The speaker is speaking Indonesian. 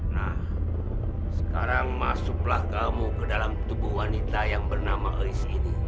nah sekarang masuklah kamu ke dalam tubuh wanita yang bernama aris ini